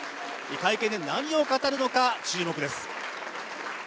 会見で何を語るのか注目です。